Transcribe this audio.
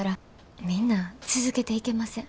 みんな続けていけません。